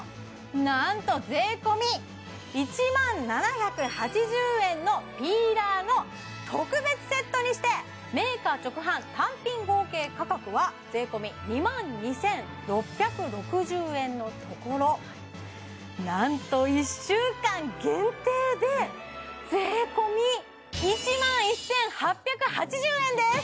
何と税込１万７８０円のピーラーの特別セットにしてメーカー直販単品合計価格は税込２万２６６０円のところ何と１週間限定で税込１万１８８０円です！